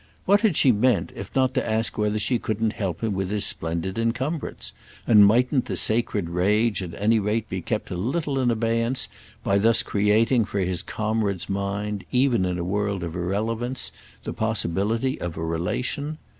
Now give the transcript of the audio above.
What had she meant if not to ask whether she couldn't help him with his splendid encumbrance, and mightn't the sacred rage at any rate be kept a little in abeyance by thus creating for his comrade's mind even in a world of irrelevance the possibility of a relation?